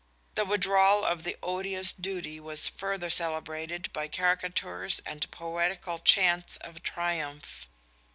The withdrawal of the odious duty was further celebrated by caricatures and "poetical" chants of triumph.